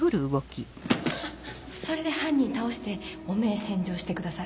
それで犯人倒して汚名返上してください。